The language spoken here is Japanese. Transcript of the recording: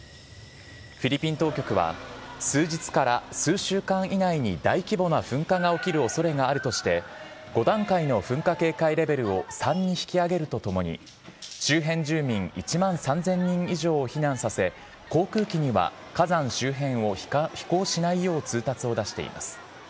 フィリピン当局は、数日から数週間以内に大規模な噴火が起きるおそれがあるとして、５段階の噴火警戒レベルを３に引き上げるとともに、周辺住民１万３０００人以上を避難させ、航空機には火山周辺を飛行しないよう通達を出しています。